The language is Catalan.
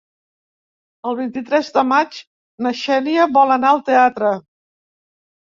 El vint-i-tres de maig na Xènia vol anar al teatre.